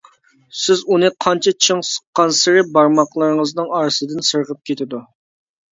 سىز ئۇنى قانچە چىڭ سىققانسېرى بارماقلىرىڭىزنىڭ ئارىسىدىن سىرغىپ كېتىدۇ.